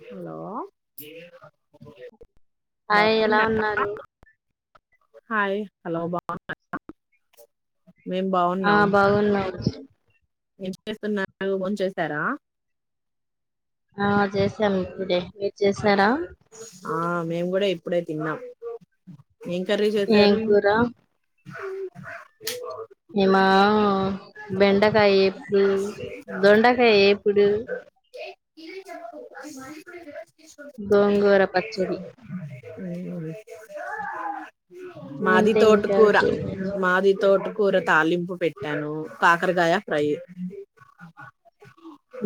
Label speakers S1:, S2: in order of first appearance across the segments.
S1: Hello
S2: hi ఎలా
S1: బాగున్నా
S2: ఉన్నారు?
S1: హాయ్ హలో బాగున్నార? మేం
S2: ఆ
S1: బాగున్నాం.
S2: బాగున్నాము
S1: ఏం చేస్తున్నారు భోం చేస్సారా?
S2: ఆ చేస్సాం ఇప్పుడే మీర్ చేస్
S1: ఆ మేము కూడా ఇప్పుడే తిన్నాం ఏం కర్రీ
S2: ఏం
S1: చేశారు?
S2: కూర
S1: అ
S2: నిమా బెండకాయ ఏపుడు దొండకాయ ఏపుడు గోంగూర పచ్చడి
S1: మాది
S2: అంతే ఇంకా
S1: తోటకూర
S2: విశేషం
S1: మాది తోట కూర తాలింపు పెట్టాను కాకరకాయ ఫ్రై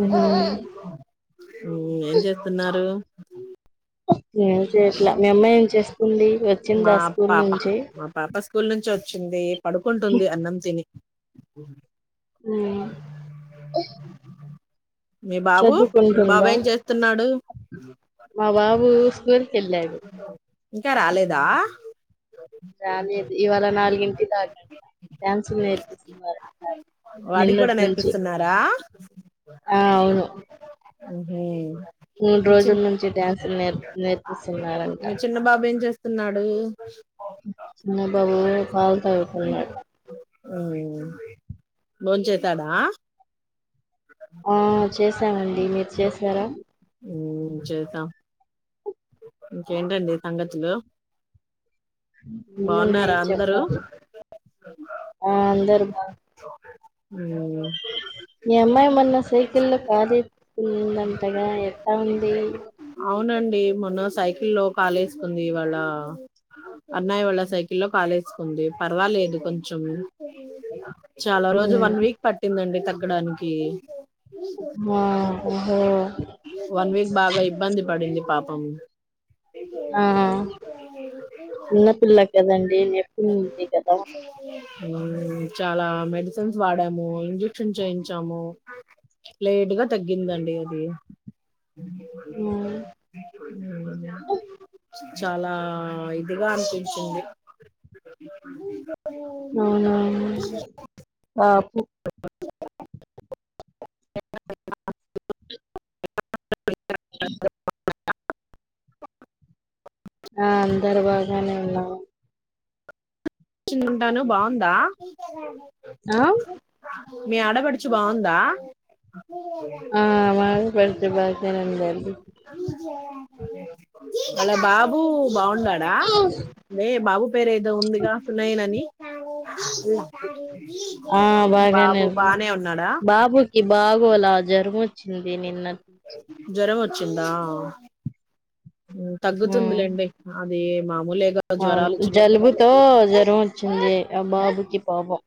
S2: ఉహు.
S1: ఉమ్ ఏం చేస్తున్నారు?
S2: ఏం చెయ్యట్లా మీ అమ్మాయి ఏం చేస్తుంది. వచ్చిందా స్కూల్ నుంచి?
S1: ప్ప స్కూల్ నుంచి వచ్చింది పడుకుంటుంది అన్నం తిని
S2: ఉమ్.
S1: మీ బాబు మీ బాబు
S2: చదువుకుంటుందా
S1: ఏం చేస్తున్నాడు?
S2: మా బాబు స్కూల్ కి వెళ్ళాడు.
S1: ఆ
S2: రాలేదు ఇవాళ నాలుగింటి దాక అంట డ్యాన్సులు నేర్పిస్తున్నారు.
S1: వాడికి కూడా
S2: నిన్నటి నుంచి
S1: నేర్పిస్తున్నారా?
S2: ఆ అవును.
S1: ఊహు
S2: మూడు రోజుల్నుంచి డ్యాన్సులు నే నేర్పిస్తున్నారంట.
S1: స్తున్నాడు.
S2: చిన్న బాబు పాలు తాగుతున్నాడు.
S1: ఉమ్ బోం చేశాడా?
S2: ఆ చేసామండి మీర్ చేసారా?
S1: ఉమ్ చేశాం. ఇంకేంటండి సంగతులు?
S2: ఏం ఉన్నాయి
S1: బాగున్నారా అందరూ
S2: చెప్పాలి, ఆ అందరూ బాగు మీ అమ్మాయి మొన్న సైకిల్ల్లో కాలు ఏసుకుంది అంటగా ఎ ట్టా ఉంది?
S1: అవునండి మొన్న సైకిల్లో కాలేసుకుంది, ఇవాళ అన్నయ్య వాళ్ళ సైకిల్లో కాలేసుకుంది, పర్వాలేదు కొంచెం చాలా రోజు
S2: ఉమ్
S1: వన్ వీక్ పట్టిందండి తగ్గడానికి.
S2: ఆ ఓహో
S1: వన్ వీక్ బాగా ఇబ్బంది పడింది పాపం.
S2: ఆ చిన్నపిల్ల కదండి నెప్పి ఉంది కదా?
S1: మ్ చాలా మెడిసెన్స్ వాడాము ఇంజెక్షన్ చేయించాము. లేటుగా తగ్గిందండి అది
S2: ఉమ్
S1: చాలా ఇదిగా అనిపించింది
S2: అవునా ఆపు
S1: అ
S2: అ ఆ అందరు బగానే ఉన్నాము
S1: [unintelligible] బాగుందా
S2: ఆ
S1: మీ ఆడపడుచు బాగుందా
S2: ఆ మా పడుచు [unintelligible]
S1: అలా బాబు బాగున్నాడ నే బాబు పేరు ఏదో ఉందిగా పూనైనని
S2: ఆ బాగానే
S1: ఉన్నాడా
S2: బాబుకి బాగోలా జరమోచ్చింది నిన్న [unintelligible]
S1: జ్వరం వచ్చిందా
S2: ఉమ్
S1: తగ్గుతుందిలేండి అది మ
S2: అవును జలుబుతో జ్వరం వచ్చింది ఆ బాబుకి పాపం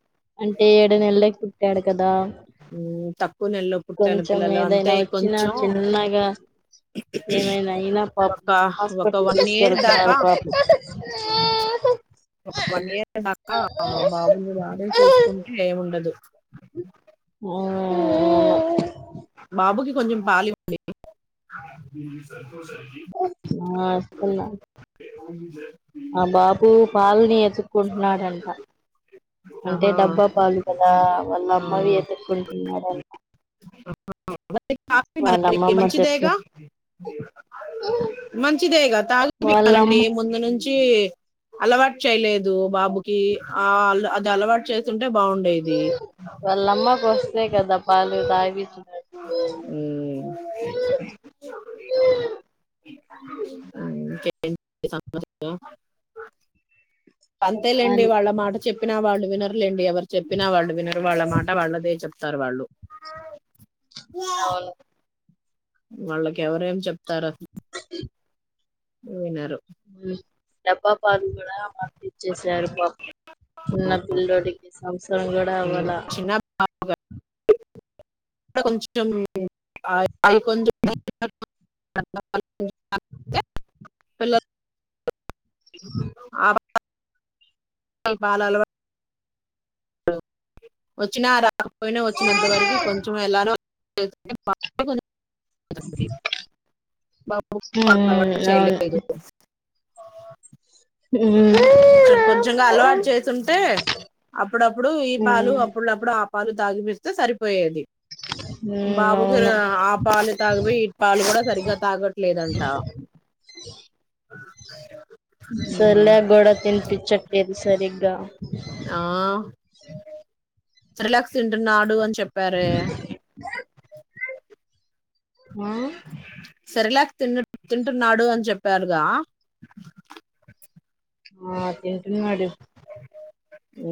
S2: అంటే ఏడు నెలకి పుట్టాడు కదా
S1: తక్కువ నెలలో పుట్టాన
S2: కొంచెం
S1: పిల్లలు అంతే
S2: ఏదైనా వచ్చినా
S1: కొంచెం
S2: చిన్నగా ఏమైనా అయినా పాపం
S1: ఒక
S2: హాస్పిటల్
S1: వన్ ఇయర్ దాక
S2: తీసుకెళ్తున్నారు పాపం
S1: ఒక వన్ ఇయర్ దాక బాబుని [unintelligible] చూసుకుంటే ఉండదు
S2: ఓ
S1: బాబుకి కొంచం పాలి [unintelligible]
S2: ఆ ఇస్తున్నా
S1: ఉ
S2: ఆ బాబు పాలిని ఎతుక్కుంటున్నాడంట అంటే
S1: ఆహా
S2: డబ్బా పాలు కదా వాళ్ళ
S1: ఆ,
S2: అమ్మవి ఎత్తుకుంటున్నాడంట
S1: ఓకే
S2: అమ్మమ్మ చెప్పి
S1: మంచిదేగా మంచిదేగా తాగ
S2: వాళ్ళమ్మ
S1: [unintelligible] [unintelligible] ముందు నుం చీ అలవాటు చేయలేదు బాబు కి ఆ ఆది అలవాటు [unintelligible] టే బాగుండేది
S2: వాళ్ళమ్మకు [unintelligible]
S1: హు ఇంకేంటి సంగతులు అంతేలేండి
S2: చెప్పాలి
S1: వాళ్ళ మాట చెప్పినా వాళ్ళు వినర్లేండి ఎవర్ చెప్పినా వాళ్ళు వినరు వాళ్ళ మాట వాళ్ళదే చెప్తారు వాళ్ళు
S2: అవును
S1: వాళ్ళకి ఎవరేం చెప్తార వినరు
S2: డబ్బా పాలు కూడ ఇచ్చసారు [unintelligible] చిన్న పిల్ల్లోడికి సంవత్సరం కూడ అవ్వాల
S1: చిన్న [unintelligible] ఆ [unintelligible] వచ్చినా రాకపోయినా వచ్చినంత వరకు కొంచెం ఎలానో బ
S2: ఉమ్,
S1: చ
S2: అవును ఉమ్.
S1: కొం కొంచెంగా అలవాటు చేసిఉంటే అప్పుడు ఈ పాలు
S2: ఉమ్,
S1: అప్పులప్పుడు ఆ పాలు తాగిపిస్తే సరిపోయేది.
S2: ఉమ్,
S1: బాబుకి
S2: అవును
S1: ఆ పాలు తాగిపోయి ఈ పాలు కూడా సరిగ్గా తాగట్లేదంటా. ఉమ్,
S2: సర్లే గోడ కి వినిపించట్లేదు సరిగ్గా స
S1: రిలాక్స్ తింటున్నాడు అని చెప్పారే
S2: ఆ
S1: సరిలేక్ తిన్ తింటున్నాడు అని చెప్పారుగా
S2: ఆ తెలిసిన వాడి
S1: ఊ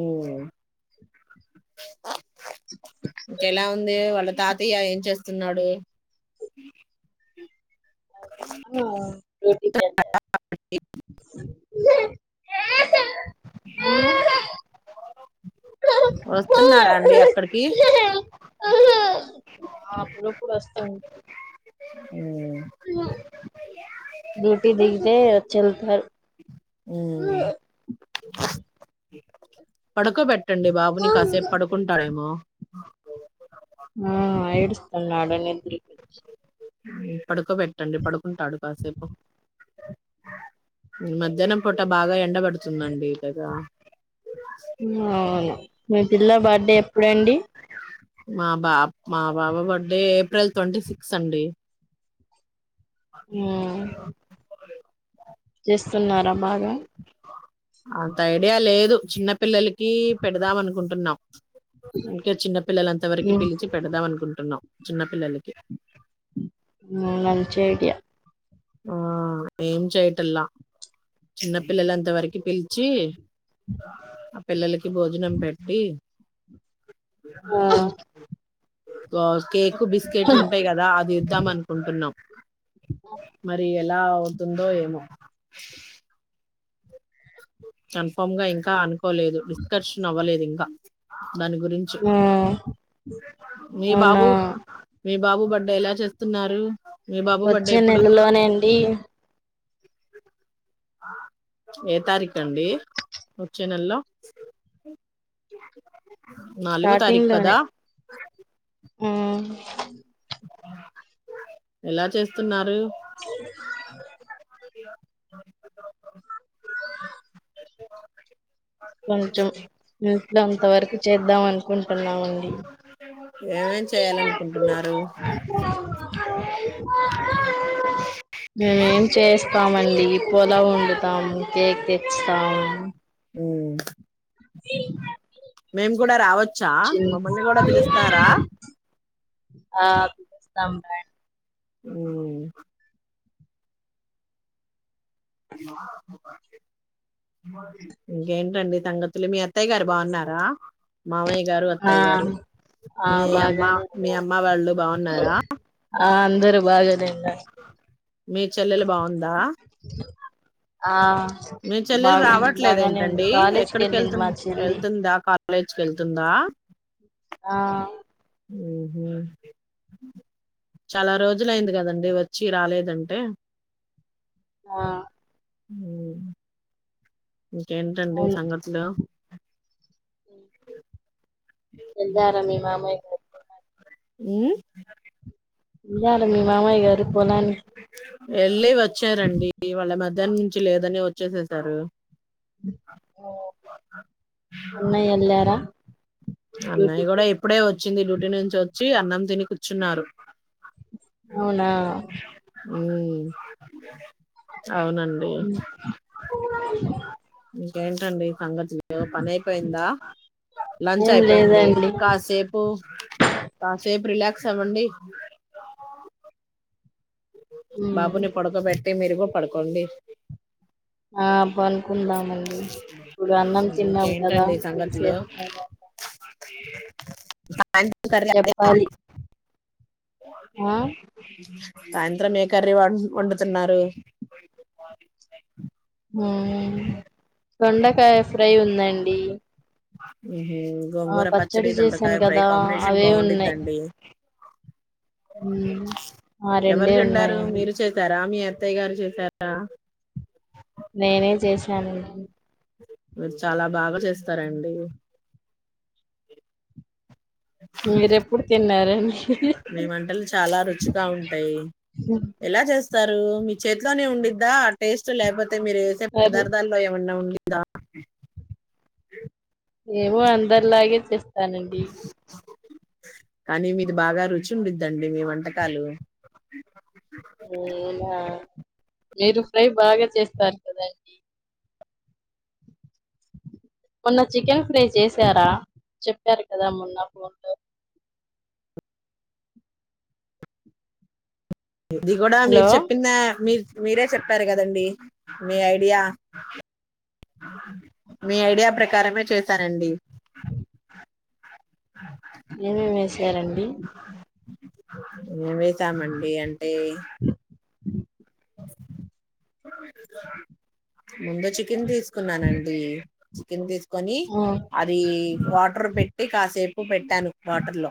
S1: ఇంకా ఎలా ఉంది వల తాతయ్య ఏం చేస్తున్నాడు
S2: ఆ డ్యూటీకి వెళ్ళాడు ఆ
S1: వస్తున్నారా అండి అక్కడికి
S2: ఆ అప్పుడప్పుడు వస్తాన్
S1: ఉ
S2: రోటీ దిగతే వచ్చి వెళ్తాడు
S1: ఉమ్, పడుకోబెట్టండి బాబుని కాసేపు పడుకుంటాడేమో
S2: ఆ ఏడుస్తునాడుని నిదుర్
S1: పడుకోబెట్టండి పడుకుంటాడు కాసేపు మధ్యాహ్నం పూట బాగా ఎం
S2: వుఆ మంచి ఇల్లా బర్డే ఎప్పుడండి
S1: మా బా మా బాబు బర్త్డే ఏప్రిల్ ట్వంటీ సిక్స్ అండి.
S2: మ్మ్
S1: అ
S2: చేస్తున్నారా బాగా
S1: అంత ఐడియా లేదు. చిన్న పిల్లలకి పెడదాం అనుకుంటున్నాం. ఇంకా చిన్న పిల్లలంత వరకు
S2: మ్మ్
S1: పిలిచి పెడదాం అనుకుంటున్నాం. చిన్న పిల్లలకి
S2: ఉమ్ మంచి ఐడియా
S1: ఆ ఏం చేయటల్లా చిన్నపిల్లలంత వరకు పిలిచి ఆ పిల్లలకి భోజనం పెట్టి
S2: ఆ
S1: ఉ కేక్, బిస్కెట్లు ఉంటాయి కదా అది ఇద్దాం అనుకుంటున్నాం. మరి ఎలా అవుతుందో ఏమో కన్ఫామ్ గా ఇంకా అనుకోలేదు. డిస్కర్షన్ అవ్వలేదు ఇంకా. దాని గురించి
S2: ఆ
S1: నీ
S2: అవునా
S1: బాబు మీ బాబు బర్డే ఎలా చేస్తున్నారు. మీ బాబు బర్డే
S2: వచ్చే
S1: ఎప్పుడు?
S2: నెలలోనేండి
S1: ఏ తారీఖు అండి వచ్చే నెల్లో నాలుగో
S2: స్టార్టింగ్
S1: తారీఖ్ కదా
S2: లోనే ఆ
S1: ఎలా చేస్తున్నారు
S2: కొంచెం ఇంట్లో అంత వరకు చేద్దాం అనుకుంటున్నామండి.
S1: ఏమేం చేయాలనుకుంటున్నారు. అ
S2: మేమేం చేస్తామండి పులావ్ వండుతాము, కేక్ తెచ్తాము.
S1: మేం గూడా రావ చ్చా
S2: చిన్
S1: మమ్మల్ని గూడా పిలుస్తారా
S2: ఆ ఇస్తా రా
S1: ఓ ఇంకేంటండి తంగతులు మీ అత్తయ్య గారు బాగున్నారా మామయ్య గారు,
S2: ఆ
S1: అత్తయ్య గారు,
S2: ఆ
S1: మీ అమ్మ,
S2: బాగానే
S1: మీ
S2: ఉన్నారు.
S1: అమ్మ వాళ్ళు బాగున్నారా.
S2: సరే బాగా జేయండి
S1: మీ చెల్లెలు బావుందా
S2: ఆ
S1: మీ చెల్లెలు
S2: బాగు
S1: రావట్లేదు
S2: బాగానే ఉంది
S1: ఏంటండీ
S2: కాలేజ్కి
S1: ఎక్కడికి
S2: వెళ్ళింది
S1: ఎళ్తున్
S2: మా చెల్లి
S1: ఎళ్తుందాపా లేజ్క్ ఎళ్తుందా
S2: ఆ
S1: ఓహో చాలా రోజులయింది గదండి వచ్చీ రాలేదంటే
S2: ఆ
S1: ఊ ఇంకేంటండి
S2: అవును
S1: సంఘతులు
S2: ఎల్లారా మీ మామయ్ ము
S1: ఊ
S2: ఎల్లాల మీ మామయ గారు పోలాని
S1: ఎళ్ళీ వచ్చారండి ఇవాళ మధ్యాహ్నం నుంచి లేదని వచ్చేసేసారు.
S2: ఊ అన్నయ్ ఎళ్ళారా
S1: అన్నయ్య గూడా ఇప్పుడే వచ్చింది, డ్యూటీ నుంచి వచ్చి అన్నం తిని కూర్చున్నారు.
S2: అవునా
S1: ఊ అవునండీ
S2: ఉమ్.
S1: ఏంటండి సంగతులు పని అయిపోయిందా లంచ్
S2: ఏం
S1: అయిపోయింది
S2: లేదండి
S1: కాసేపు కాసే ఆ రేపు రిలాక్స్ అవ్వండి
S2: ఉమ్.
S1: బాబుని పడకోబెట్టి మీరు గూ పడుకోండి.
S2: ఆ పనుకుందామండి ఇప్పుడు అన్నం తిన్నాం కదా
S1: ఇంకేంటండి
S2: కొంసేప్ తర్వాత చెప్పాలి
S1: అ
S2: ఆ
S1: [unintelligible] సాయంత్రం ఏ కర్రీ వం ఒండుతున్నారు.
S2: హూమ్ దొండకాయ ఫ్రై ఉందండి
S1: ఊం
S2: ఆ
S1: గోంగూర పచ్చడి, దొండకాయ
S2: చేశాను
S1: ఫ్రై
S2: కదా
S1: కాంబినేషన్
S2: అవే ఉన్నాయి
S1: బాగుండిద్దండి.
S2: హ్మ్. ఆ
S1: ఎవరు
S2: రెండే
S1: చండారు
S2: ఉన్నాయండి
S1: మీరు చేశారా మీ అత్తయ్య గారు చేసారా
S2: నేనే చేశాను
S1: మీరు చాలా బాగా చేస్తారండి
S2: మీరెప్పుడు తిన్నారండి
S1: మీ వంటలు చాలా రుచిగా ఉంటాయి ఎలా చేస్ తరూ మీ చేతిలోనే ఉండిద్దా ఆ టేస్ట్, లేపోతే మీరు వేసే
S2: అరే
S1: పదార్థాల్లో ఏమన్నా ఉండి. దా
S2: ఏమో అందరిలాగే చేస్తానండి
S1: కానీ మీది బాగా రుచి ఉండిద్దండి మీ వంటకాలు
S2: అవునా మీరు ఫ్రై బాగా చేస్తారు కదండి మొన్న చికెన్ ఫ్రై చేశారా చెప్పారు కదా మొన్న ఫోన్లో
S1: ఇది కూడా మీరు
S2: హలో
S1: చెప్పిన మీరు మీరే చెప్పారు కదండి మీ ఐడియా మీ ఐడియా ప్రకారమే చేశానండి
S2: ఏమేమి వసారండి
S1: ఏమేతామండి అంటే
S2: అ
S1: ముందు చికెన్ తీసుకున్నానండి చికెన్ తీసుకొని
S2: ఆ
S1: అది వాటర్ పెట్టి కాసేపు పెట్టి ట్యాన్ వాటర్ లో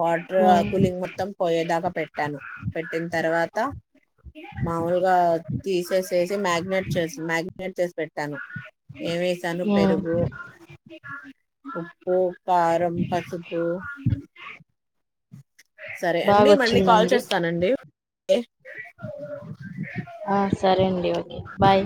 S1: వాటర్
S2: ఆ
S1: కూలింగ్ మొత్తం పోయేదాకా పెట్టాను పెట్టిన తర్వాత మాముూలుగా తీసేసేసి మ్యాగ్ిననేట్ చేసి మ్యాగ్ిననేట్ చేసి పెట్టాను ఏమేస్తాను
S2: ఆ
S1: పెరుగు ఉప్పు పారం పసుపు సరే అండి మళ్ళీ కాల్
S2: బాగొచ్చిందండి
S1: చేస్తానండి
S2: ఆ సరే అండి ఓకే బాయ్